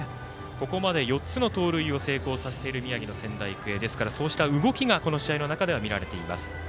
ここまで４つの盗塁を成功させている宮城の仙台育英ですがそうした動きが、この試合の中で見られています。